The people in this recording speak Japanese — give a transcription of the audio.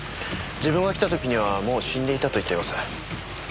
自分が来た時にはもう死んでいたと言っています。